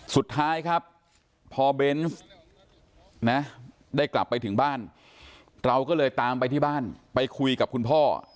สุดท้ายครับพอเบนส์นะได้กลับไปถึงบ้านเราก็เลยตามไปที่บ้านไปคุยกับคุณพ่อ